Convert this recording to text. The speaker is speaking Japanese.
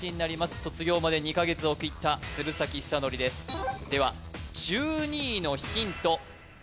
卒業まで２か月を切った鶴崎修功ですでは１２位のヒントうわえっ！